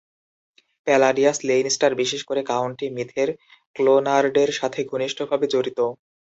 Palladius লেইনস্টার, বিশেষ করে county মিথের ক্লোনার্ডের সাথে ঘনিষ্ঠভাবে জড়িত।